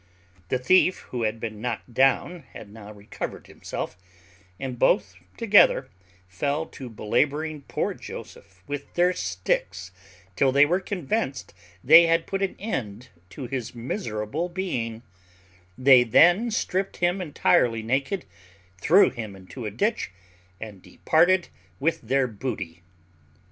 The thief who had been knocked down had now recovered himself; and both together fell to belabouring poor Joseph with their sticks, till they were convinced they had put an end to his miserable being: they then stripped him entirely naked, threw him into a ditch, and departed with their booty.